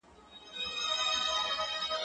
زه مخکي ونې ته اوبه ورکړې وې!؟